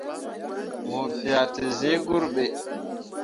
Mo fea te zẽẽ gurɓe.